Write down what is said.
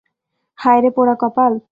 হায়রে পোড়া কপাল।